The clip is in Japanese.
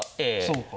そうか。